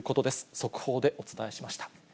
速報でお伝えしました。